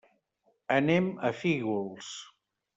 Anem a Fígols.